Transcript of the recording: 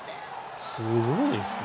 すごいですね。